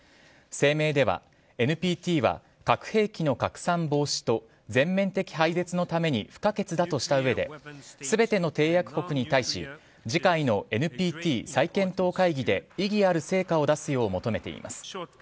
声明では、ＮＰＴは核兵器の拡散防止と全面的廃絶のために不可欠だとした上で全ての締約国に対し次回のＮＰＴ再検討会議で意義ある成果を出すよう求めています。